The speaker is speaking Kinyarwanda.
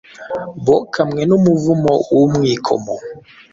Bokamwe n’umuvumo w’umwikomo,